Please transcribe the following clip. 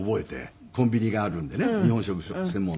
コンビニがあるんでね日本食専門の。